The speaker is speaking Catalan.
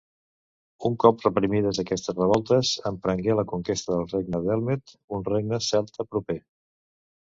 Un cop reprimides aquestes revoltes, emprengué la conquesta del Regne d'Elmet, un regne celta proper.